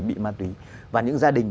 bị ma túy và những gia đình